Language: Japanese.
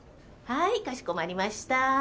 はいかしこまりました。